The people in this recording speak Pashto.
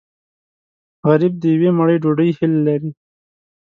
غریب د یوې مړۍ ډوډۍ هیله لري